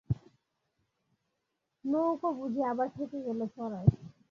নৌকো বুঝি আবার ঠেকে গেল চড়ায়।